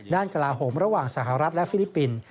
กลาโหมระหว่างสหรัฐและฟิลิปปินส์